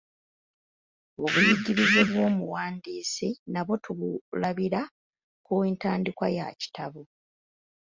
Obuyigirize bw'omuwandiisi nabwo tubulabira ku ntandikwa ya kitabo.